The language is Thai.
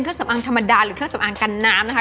เครื่องสำอางธรรมดาหรือเครื่องสำอางกันน้ำนะคะ